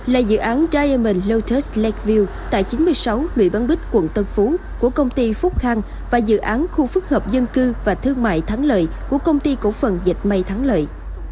là dự án diamond leutus leview tại chín mươi sáu nguyễn văn bích quận tân phú của công ty phúc khang và dự án khu phức hợp dân cư và thương mại thắng lợi của công ty cổ phần dịch may thắng lợi